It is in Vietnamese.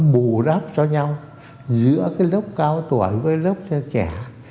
bù đắp cho nhau giữa lớp cao tuổi với lớp trẻ